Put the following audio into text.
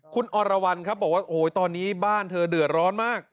คุณอรวรรณครับบอกว่าโอ้โหตอนนี้บ้านเธอเดือดร้อนมาก